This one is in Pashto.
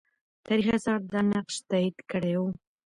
تاریخي آثار دا نقش تایید کړی وو.